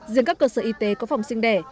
riêng các cơ sở y tế có phòng sinh đẻ